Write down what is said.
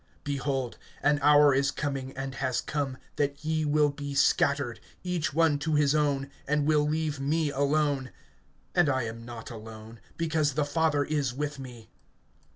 (32)Behold, an hour is coming, and has come, that ye will be scattered, each one to his own, and will leave me alone; and I am not alone, because the Father is with me.